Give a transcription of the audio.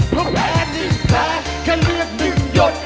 เพราะแพ้นี่แพ้แค่เลือกหนึ่งยก